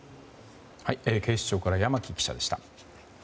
警視庁から山木記者でした。